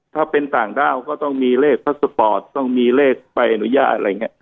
ถ้าเป็นต่างด้าวก็ต้องมีเลขพัสสปอร์ตต้องมีเลขใบอนุญาตอะไรอย่างนี้